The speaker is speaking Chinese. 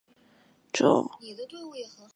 无柄鳞毛蕨为鳞毛蕨科鳞毛蕨属下的一个种。